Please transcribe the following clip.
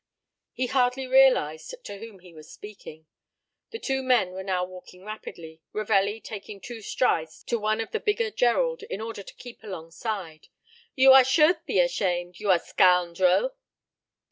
He hardly realized to whom he was speaking. The two men were now walking rapidly, Ravelli taking two strides to one of the bigger Gerald, in order to keep alongside. "You a should be ashamed you a scoundrel."